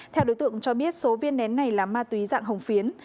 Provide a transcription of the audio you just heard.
theo đối tượng cho biết số viên nén này là ma túy dạng hồng phiến